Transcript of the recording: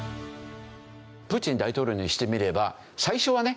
プーチン大統領にしてみれば最初はね